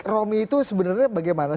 romy itu sebenarnya bagaimana